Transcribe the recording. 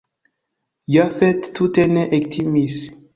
Jafet tute ne ektimis.